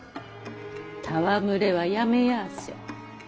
戯れはやめやぁせ。